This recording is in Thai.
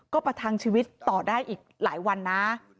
ก็ประทังชีวิตต่อได้อีกหลายวันนะ